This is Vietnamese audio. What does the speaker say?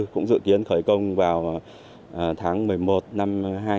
cũng dự kiến khởi công vào tháng một mươi một năm hai nghìn một mươi sáu